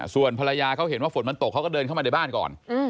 ส่วนภรรยาเขาเห็นว่าฝนมันตกเขาก็เดินเข้ามาในบ้านก่อน